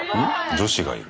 女子がいる。